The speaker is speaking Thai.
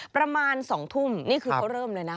ประมาณ๒ทุ่มนี่คือเขาเริ่มเลยนะ